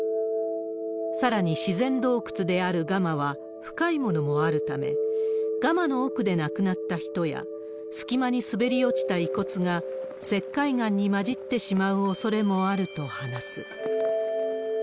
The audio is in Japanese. さらに自然洞窟であるガマは深いものもあるため、ガマの奥で亡くなった人や、隙間に滑り落ちた遺骨が石灰岩に混じってしまうおそれもあると話す。